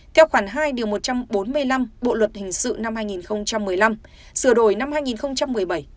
theo khoản hai điều một trăm bốn mươi năm bộ luật hình sự năm hai nghìn một mươi năm sửa đổi năm hai nghìn một mươi bảy